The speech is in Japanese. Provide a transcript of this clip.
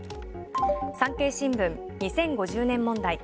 産経新聞、２０５０年問題。